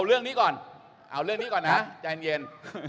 เอาเรื่องนี้ก่อนนะใจเย็น